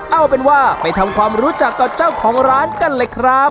เอาเป็นว่าไปทำความรู้จักกับเจ้าของร้านกันเลยครับ